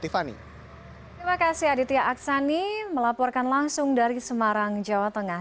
terima kasih aditya aksani melaporkan langsung dari semarang jawa tengah